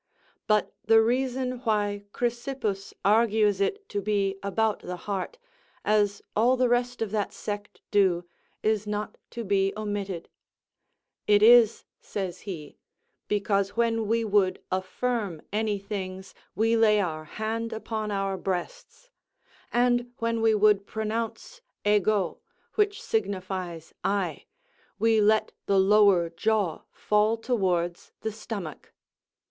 But the reason why Chrysippus argues it to be about the heart, as all the rest of that sect do, is not to be omitted; "It is," says he, "because when we would affirm any things we lay our hand upon our breasts; and when we would pronounce èyù, which signifies I, we let the lower jaw fall towards the stomach."